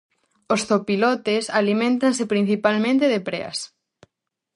Os zopilotes aliméntanse principalmente de preas.